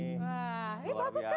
om seru rambut haiorable